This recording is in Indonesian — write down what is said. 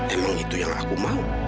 emang itu yang aku mau